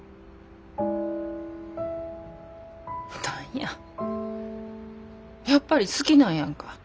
何ややっぱり好きなんやんか。